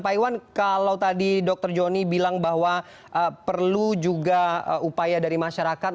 pak iwan kalau tadi dr joni bilang bahwa perlu juga upaya dari masyarakat